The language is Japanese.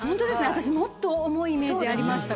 私もっと重いイメージありました。